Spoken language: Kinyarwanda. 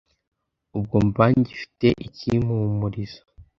ubwo mba ngifite ikimpumuriza,